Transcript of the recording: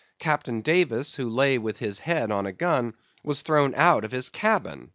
Captain Davis, who lay with his head on a gun, was thrown out of his cabin!"